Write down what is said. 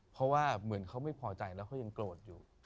เพราะว่าเหมือนเขาไม่พอใจแล้วเขายังโกรธอยู่